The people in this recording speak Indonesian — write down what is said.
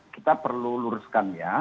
kita perlu luruskan ya